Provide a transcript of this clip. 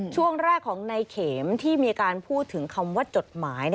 ช่วงแรกของในเข็มที่มีการพูดถึงคำว่าจดหมาย